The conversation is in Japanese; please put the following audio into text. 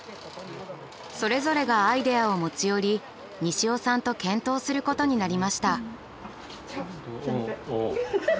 それぞれがアイデアを持ち寄り西尾さんと検討することになりました。